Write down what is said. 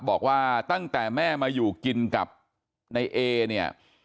บอกว่าตั้งแต่แม่มาอยู่กินกับนายเอเนี่ย